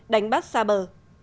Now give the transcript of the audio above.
đánh bắt xa bờ